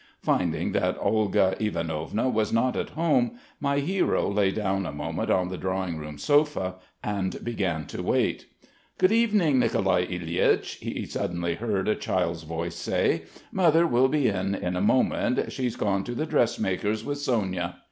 Finding that Olga Ivanovna was not at home, my hero lay down a moment on the drawing room sofa and began to wait. "Good evening, Nicolai Ilyich," he suddenly heard a child's voice say. "Mother will be in in a moment. She's gone to the dressmaker's with Sonya."